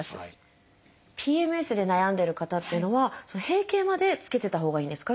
ＰＭＳで悩んでる方というのは閉経までつけてたほうがいいんですか？